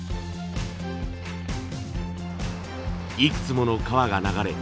いくつもの川が流れ